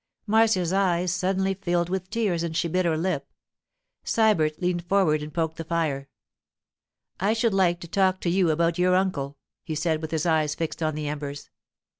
Marcia's eyes suddenly filled with tears and she bit her lip. Sybert leaned forward and poked the fire. 'I should like to talk to you about your uncle,' he said, with his eyes fixed on the embers.